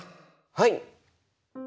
はい。